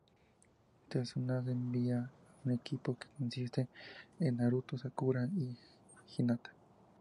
Tsunade envía a un equipo que consiste en Naruto, Sakura y Hinata.